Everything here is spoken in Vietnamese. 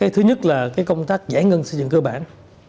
thứ nhất là công tác giải ngân xây dựng cơ bản